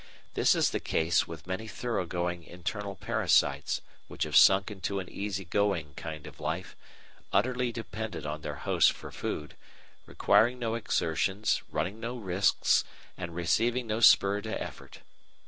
This is the case with many thoroughgoing internal parasites which have sunk into an easygoing kind of life, utterly dependent on their host for food, requiring no exertions, running no risks, and receiving no spur to effort.